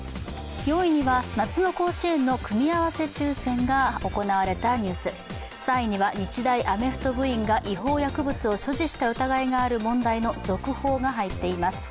４位には夏の甲子園の組み合わせ抽選が行われたニュース、３位には、日大アメフト部員が違法薬物を所持した疑いがある問題の続報が入っています。